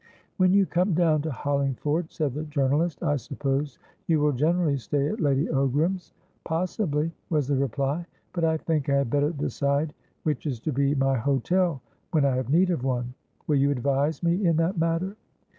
"When you come down to Hollingford," said the journalist, "I suppose you will generally stay at Lady Ogram's?" "Possibly," was the reply. "But I think I had better decide which is to be my hotel, when I have need of one. Will you advise me in that matter?"